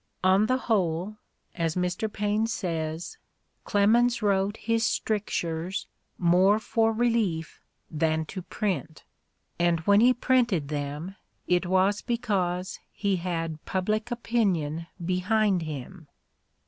"On the whole," as Mr. Paine says, "Clemens wrote his stric tures more for relief than to print," and when he printed them it was because he had public opinion behind him.